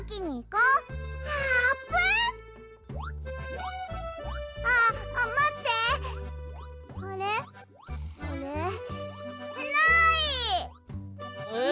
うん！